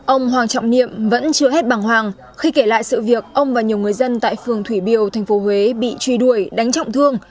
ông hoàng trọng niệm vẫn chưa hết bằng hoàng khi kể lại sự việc ông và nhiều người dân tại phường thủy biều tp huế bị truy đuổi đánh trọng thương